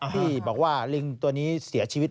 ที่บอกว่าลิงตัวนี้เสียชีวิต